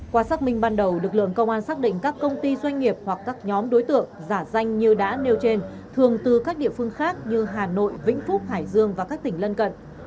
qua xác minh ban đầu lực lượng công an xác định các công ty doanh nghiệp hoặc các nhóm đối tượng giả danh như đã nêu trên thường từ các địa phương khác như hà nội vĩnh phúc hải dương và các tỉnh lân cận